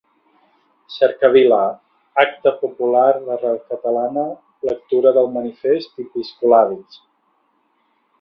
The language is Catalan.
Cercavila, acte popular d'arrel catalana, lectura del manifest i piscolabis.